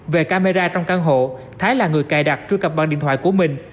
về camera trong căn hộ thái là người cài đặt truy cập bằng điện thoại của mình